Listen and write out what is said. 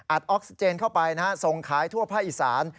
ออกซิเจนเข้าไปนะฮะส่งขายทั่วภาคอีสาน